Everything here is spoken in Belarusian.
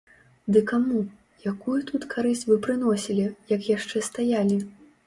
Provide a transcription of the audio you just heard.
Ды каму, якую тут карысць вы прыносілі, як яшчэ стаялі?